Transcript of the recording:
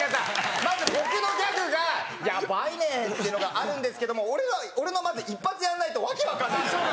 まず僕のギャグが「ヤバいね」ってのがあるんですけども俺がまず一発やんないと訳分かんないからね。